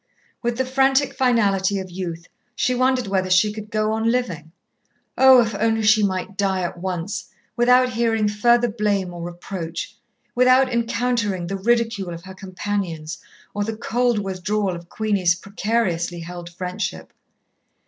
With the frantic finality of youth, she wondered whether she could go on living. Oh, if only she might die at once, without hearing further blame or reproach, without encountering the ridicule of her companions or the cold withdrawal of Queenie's precariously held friendship.